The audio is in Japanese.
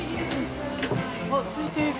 あっすいている。